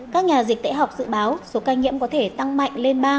các nhà dịch tệ học dự báo số ca nhiễm có thể tăng mạnh lên ba sáu trăm linh ca một năm